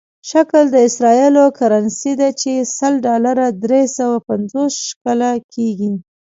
شکل د اسرائیلو کرنسي ده چې سل ډالره درې سوه پنځوس شکله کېږي.